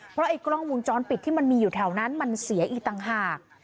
เพราะไอ้กล้องวงจรปิดที่มันมีอยู่แถวนั้นมันเสียอีกต่างหาก